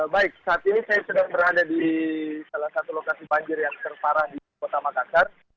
baik saat ini saya sedang berada di salah satu lokasi banjir yang terparah di kota makassar